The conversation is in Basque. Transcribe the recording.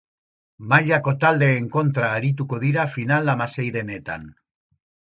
Mailako taldeen kontra arituko dira final-hamaseirenetan.